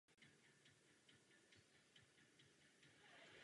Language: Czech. Kombinuje prvky charakteristické pro byzantský a gotický sloh.